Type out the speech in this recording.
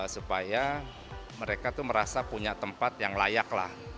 supaya mereka tuh merasa punya tempat yang layak lah